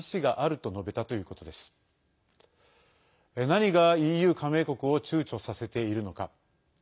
何がＥＵ加盟国をちゅうちょさせているのか。